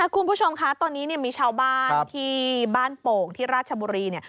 คุณผู้ชมค่ะตอนนี้มีชาวบ้านที่บ้านโป่งที่ราชบุรี